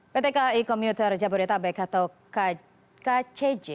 pt kai komuter jabodetabek atau kcj